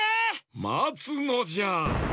まつのじゃ！